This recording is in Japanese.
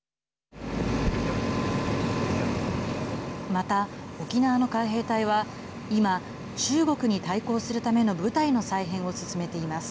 また、沖縄の海兵隊は今、中国に対抗するための部隊の再編を進めています。